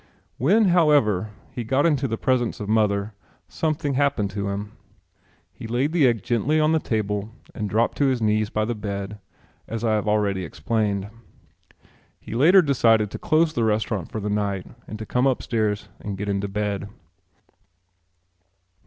When, however, he got into the presence of mother something happened to him. He laid the egg gently on the table and dropped on his knees by the bed as I have already explained. He later decided to close the restaurant for the night and to come upstairs and get into bed.